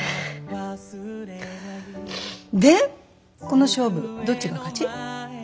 この勝負どっちが勝ち？